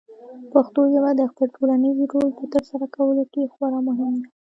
پښتو ژبه د خپل ټولنیز رول په ترسره کولو کې خورا مهمه ده.